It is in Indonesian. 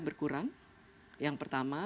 berkurang yang pertama